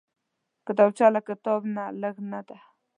کتابچه له کتاب نه لږ نه ده